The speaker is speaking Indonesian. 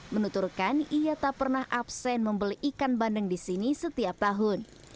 menuturkan ia tak pernah absen membeli ikan bandeng di sini setiap tahun